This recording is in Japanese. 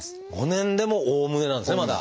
５年でも「おおむね」なんですねまだ。